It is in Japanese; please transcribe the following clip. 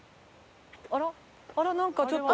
あらなんかちょっと。